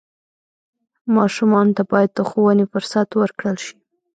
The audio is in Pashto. ماشومانو ته باید د ښوونې فرصت ورکړل شي.